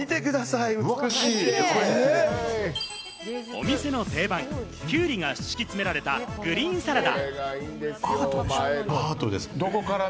お店の定番・きゅうりが敷き詰められたグリーンサラダ。